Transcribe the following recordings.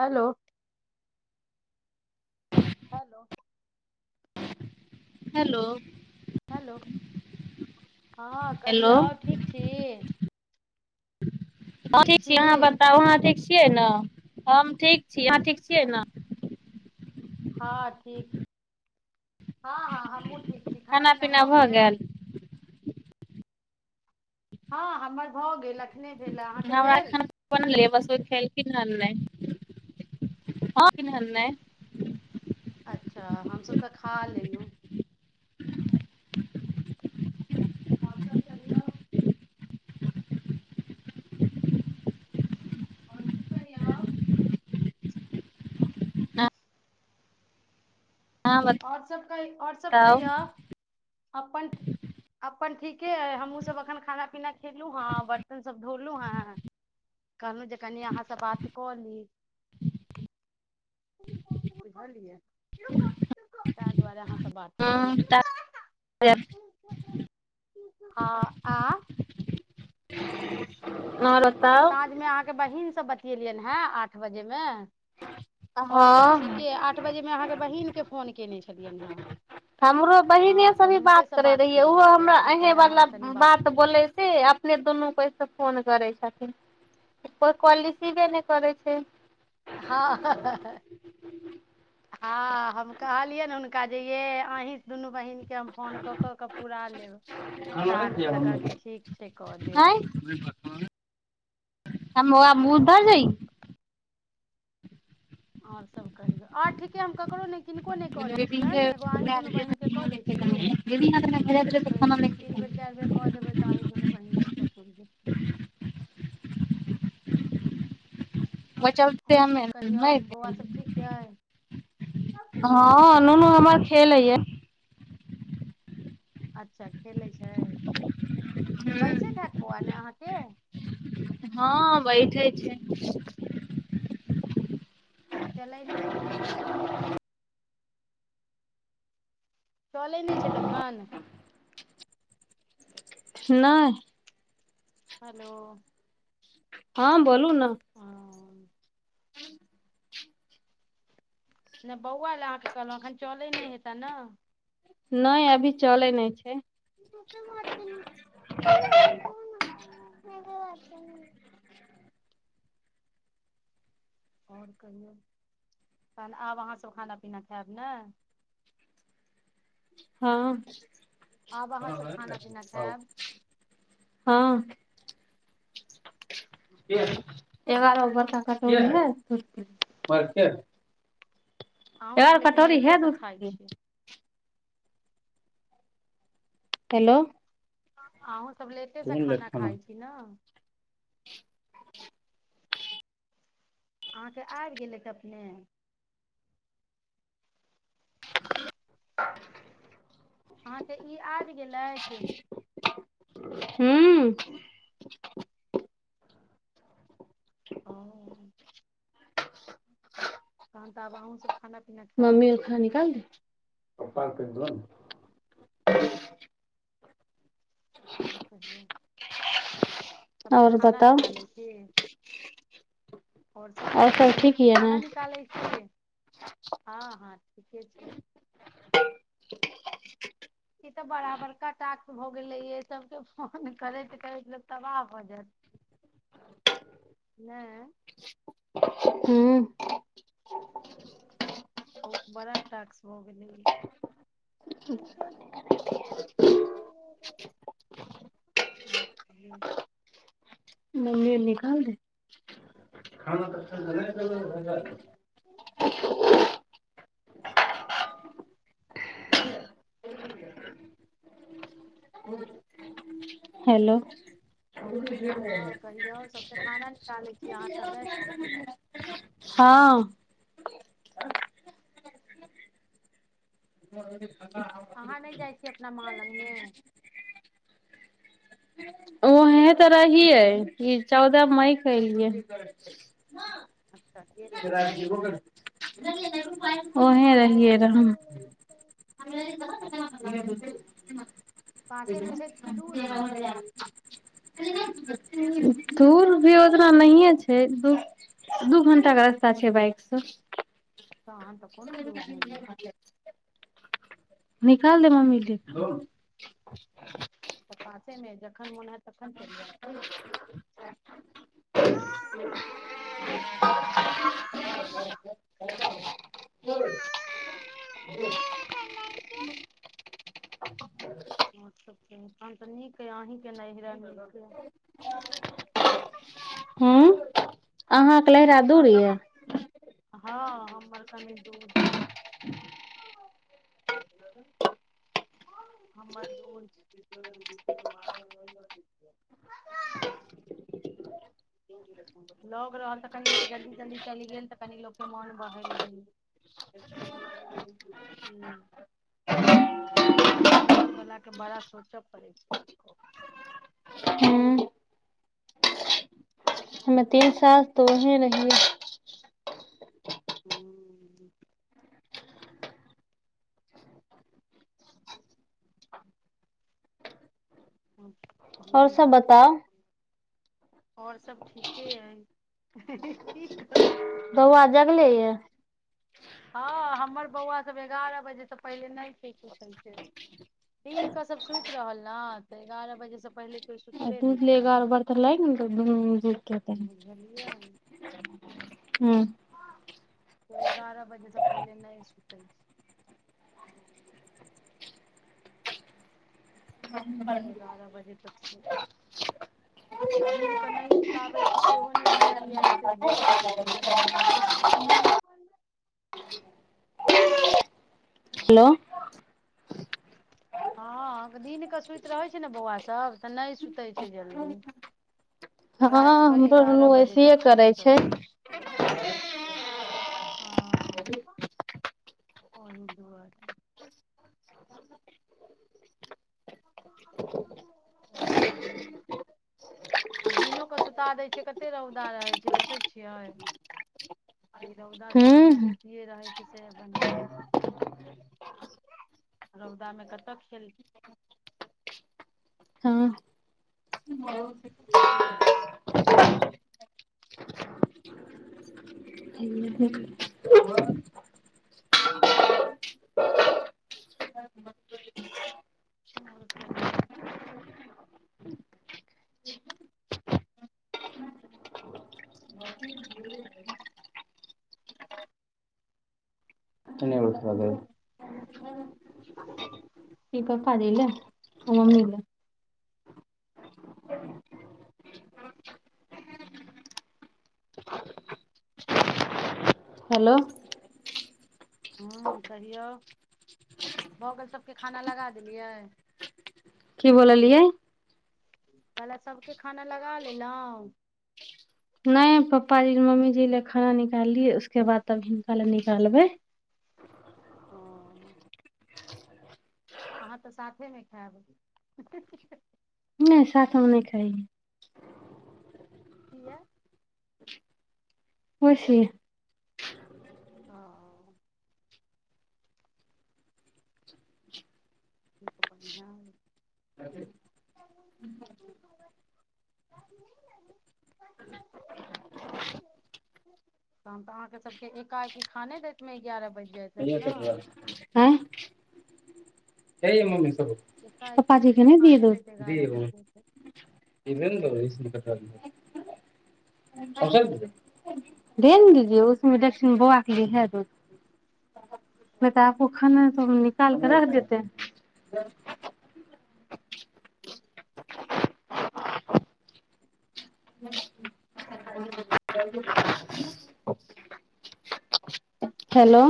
Hello hello. Hello- hello हँ hello कहियौ ठीक छी? हम ठीक छी अहाँ बताउ अहाँ ठीक छियै ने हम ठीक छी अहाँ ठीक छियै ने। हाॅं ठीक छी, हाॅं हाॅं हमहहुँ ठीक छी, खाना पीना भ गेल। हाॅं हमर भ गेल। एखने भेल अहाँके हम भेल अखैन बनेलिये बस ओ खेलखिन हे नै, हाॅं खेलखिन ये नै। अच्छा हमसब त खा लेलहुं। और सब कहियौ। और की कनिया। अहाँ और सब कहि और सब बताउ कहियौ अपन अपन ठीके अछि हमहुँ सब एखन खाना पीना खेलहुँ हें, बर्तन सब धोलहु हें। कहलहुँ जे कनि अहाँ से बात कऽ ली। बुझलियै। तै दुआारे अहाॅं त बात करे लगलहुं। हाॅं आ हाॅं ओ [unintelligible] साँझमे अहाँके बहिन से बतियेलियन हे आठ बजे में और सब ठीके हँ ये, आठ बजे में अहाँके बहिन के फोन केने छलियनि हें। हमरो बहिने से अभी बात करे रहियै उहो केलियै फेर हमरा एखन अहीं कहलियै वला अहाँसँ कनि बात कऽ लै बोलै से अपने दुनू बहिन त फोन करै छथिन। कोइ काॅल रिसिवे ने करै छै। हाॅं, ह ह ह। हाॅं हम कहलियैन हुनका जे यै अहीं दुनु बहिन के हम फोन क क के पूरा लेब। टास्क त कहलखिन ठीक छै क देब। हमहुँ आब मूंह धो ली। और सब कहियौ, और ठीके हम ककरो नै किनको ने करै छियेन एगो अहि दुनू बहिनके क दै छी, कहै छी। तीन बेर चारि बेर क देबै त अही दुनू बहिन सब से पुरि जेतै। बचल छे आओर आब सभ कहियौ नै बौआ [unintelligible] सभ ठीक यइ हाॅं नुनु हमर खेलै ये अच्छा खेलै छै, हूँ बैसैत हैत बौआ ने अहाँके? हाॅं बैठेइ छै। चलै नै छथिन? चलै ने छैय तखन नय हैलो ह बोलू न हाॅं ने बौआ लै अहाॅं के कहलौ एखन चलै ने हेता न। नैय अभी चलै नै छै। [unintelligible] ओर कहियौ तहन आब अहाँ सब खाना पीना खैब ने ह आब अहाँसभ खाना पीना हं खायब ग्यारह गो बड़का कटोरी रहै [unintelligible] एगो अहूँसभ आर लेकिन कटोरी हे लेटेसँ दूध खाइ के छी कि हैलो अहूॅं सब लेटे सऽ खाना खाइ छी न। अहाँ के आबि गेलैथ अपने अहाँ के इ आइब गेलैथ। हूंऽ ओ तहन तऽ आब अहूँसब खाना- पीना खायब मम्मी खाना निकाल दिये पप्पा कऽ पेहले दोहो न ओर कहियौ सबके और खाना बताउ निकालै छी। ओर सब और ठीके एहि ठीक सबके ये ने खाना निकालै छी। हँ-हँ ठीके छैय। ई तऽ बराबरका टास्क भऽ गेले य सबके फोन करैत-करैत लोक तबाह भऽ जेत नै हुॅं बहुत बड़ा टाक्स भऽ गेलै इ [unintelligible] ओर कहियो मम्मी ओ निकाल दे [unintelligible] हेलो हँ कहियो सबके खाना निकालें छी अहाँ तऽ व्यस्त छी। हँऽ [unintelligible] अहाँ नहि जाए छी अपना माँ लंग मे [inaudible] ओहें तऽ रहियै ई चौदह मई कऽ एलिये अच्छा गे ओहें रहियै रहम [unintelligible] [unintelligible] [unintelligible] पासेमे छै कि दूरमे दूर भी ओतना नहिये छैय दूर दू घंटा कऽ रास्ता छैय बाइक सँ। तहन तऽ कोनो दूर नहि यै। निकाल दे मम्मी के। तऽ पासे में जखन मोन हयत तखन चलि जायब। आ [unintelligible] [unintelligible] ओर सब कहीं हम तऽ नीक ह अहीं के नैहरा नीक ए। हूं अहाँके लहिरा दूर तहन तऽ यऽ। हँ हमर कनी दूर [unintelligible] हमर दूर छै। लग रहल तऽ कनी लोक जल्दी-जल्दी चलि गेल तऽ कनी लोकके मोन बहेल गेल। त म नहि बै [unintelligible] दूर बलाक बड़ा सोचऽ पड़ैत छै। हूँ हमे तीन साल तऽ ओहें रहियै। हू और सब और कहियो। सब बताउ और सब ठीके अइ की कहू। बौआ जगले या? हँ हमर बौआ सब एगारह बजेसँ पहिले नहि सुतऽ छैय। दिन कऽ सब सुति रहल ने तऽ एगारह बजे से पहिले कियो सुतबे नहि दूध लेगा और कयल बर्तन लाएंगे ना तो दुनू दूध कहते हैं बुझलियै। हू। एग्यारह बजे से पहिने नहि सुतै छै। एगारह बजे तक सु आ दिन के नहि सुताबै छी सेहो ने बनैया, एते धूप में एते गर्मी में। ह हेलो [inaudible] हँ दिनके सुति रहैत छै ने बौआ सभ तऽ नहि सुतै छै जल्दी। हँ राइत कऽ हमरो एगारह नुनू बजे ऐसेहे तक करै छै सूतल। हँ ओही दुआरे। और कहियौ। आब दिनोके सुता दैत छियै, कतेक रौदा रहैत छै देखै छियै। तऽ ई रौदा सब बनिआँ हूँ सुतिए रहै छै से बनिआँ। रौदा में कतऽ खेल हूं। हू [inaudible] ठीक [unintelligible] आ [inaudible] और कहियौ। अखैन नै उठल यऽ। इ पप्पा दीले आ मम्मी ल। हेलो। हं कहियौ, भगेल सबके खाना लगा देलियै। की बोललियै। कहले सबके खाना लगा लेलहुँ। एय पप्पा जी मम्मी जी लए खाना निकाल लियै उसके बाद तब हिनका लए निकालबै। ओ तऽ अहाँ तऽ साथेमे खायब। ही-ही-ही -हे। नहि साथो मे नहि खाय। कीये। खुशी। ऑ ठीक पप्पा जी गांव [unintelligible] राति में नींद लेबहि, परसु लेबहि, तरसु लेब। तहन तऽ अहाँके सभके एकाएकी खाने दैतमे एगारह बाजि जायइत हैत न। हँ कय यै मम्मी सब एकाएकी सबके खाने दैत एगारह बजे के इ भेल न रिकसलि कटा दियौ। पाउडर दुध अय, घै न दियौ दुध, उसमे डेकक्षिण बौआ के इहै दूध ‌ बेटा अप्पु, खाना सब निकालके रख देते। [unintelligible] हेलो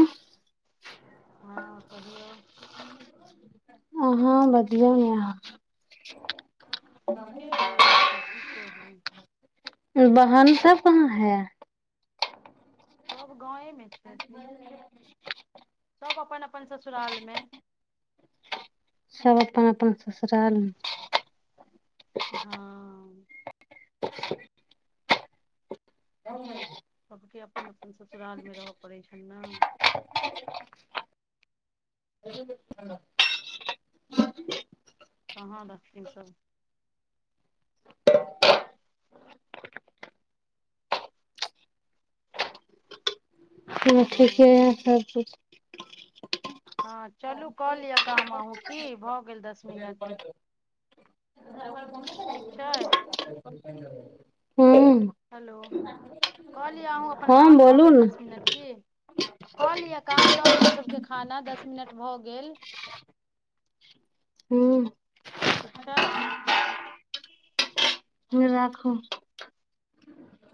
हँ कहियौ। अहाँ बढियो ने ऑ। टीके अइ आओर सब की कहू। इस बहन सब कहाँ है। सब गांवे मे छथिन, सब अप्पन अप्पन ससुराल मे। सब अप्पन- अप्पन ससुराल मे। ते हा म। जाउ ने। सबके अप्पन -अपपन ससुराल मे रहय पड़ैय छनि ने। विजय थाला। कहाँ रखथिन सब। ह ठीके हँ य, सब कुछ। हँ चलू कऽ लिअ काम अहूँ की भऽ गेल दस मिनट। ठीक छै। ै [unintelligible] हँ हेलो, कहलियै अहूँ अप्पन हँ काम भऽ बोलू गेल ने दस मिनट की। कऽ लियअ काम दऽ दियनि सभके खाना, दस मिनट भऽ गेल। हू ठीक छैय। लाखू।